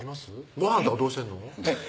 ごはんとかどうしてんの？